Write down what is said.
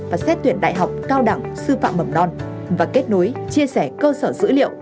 và xét tuyển đại học cao đẳng sư phạm mầm non và kết nối chia sẻ cơ sở dữ liệu